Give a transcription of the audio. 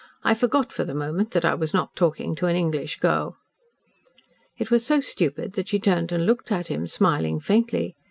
I forgot for the moment that I was not talking to an English girl." It was so stupid that she turned and looked at him, smiling faintly.